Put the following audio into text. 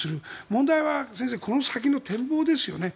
問題は先生この先の展望ですよね。